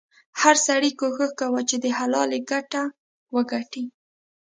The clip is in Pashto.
هر سړي کوښښ کاوه چې د حلالې ګټه وګټي.